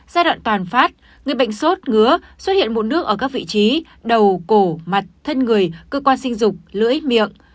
giai đoạn toàn phát người bệnh sốt ngứa xuất hiện mụn nước ở các vị trí đầu cổ mặt thân người cơ quan sinh dục lưỡi miệng